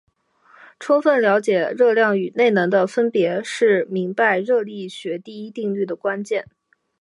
充分了解热量与内能的分别是明白热力学第一定律的关键。